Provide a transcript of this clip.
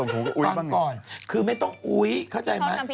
ฟังก่อนคือไม่ต้องอุ๊ยเข้าใจไหม